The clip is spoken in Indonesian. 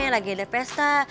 lagi ada pesta